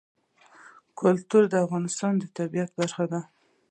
کلتور د افغانستان د طبیعت برخه ده.